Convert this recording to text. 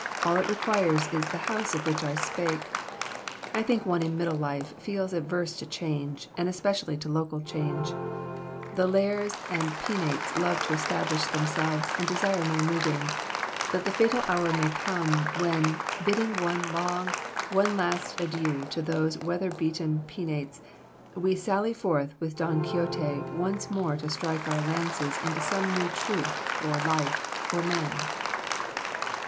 All it requires is the house of which I spake. I think one in middle life feels averse to change, and especially to local change. The Lares and Penates love to establish themselves, and desire no moving. But the fatal hour may come, when, bidding one long, one last adieu to those weather beaten Penates, we sally forth with Don Quixote, once more to strike our lances into some new truth, or life, or man."